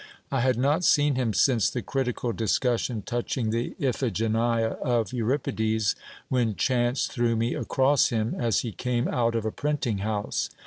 I had not seen him since the critical discussion touching the Iphigenia of Euri pides, when chance threw me across him, as he came out of a printing house.